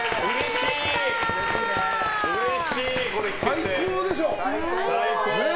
最高でしょ。